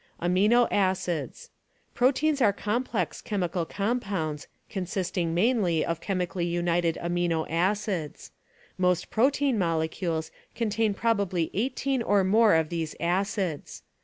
Amino Acids — Proteins are complex chemical compounds consist ing mainly of chemically united amino acids; most protein molecules contain probably eighteen or more of these acids.